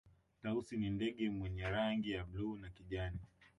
tausi ni ndege mwenye rangi ya bluu na kijani